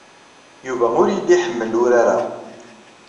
Yuba ur yelli iḥemmel urar-a.